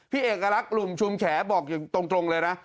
พี่เอกหลุมชุมแขบอกอยู่ตรงเลยนะ